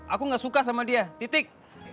aku gak suka sama dia titik